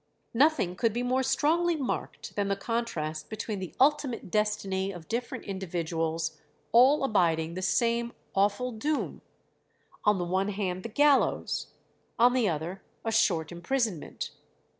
Nothing could be more strongly marked than the contrast between the ultimate destiny of different individuals all abiding the same awful doom: on the one hand the gallows, on the other a short imprisonment.